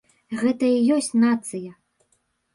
Гэта і ёсць нацыя.